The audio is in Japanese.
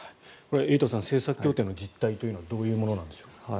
エイトさん政策協定の実態はどういうものなんでしょうか。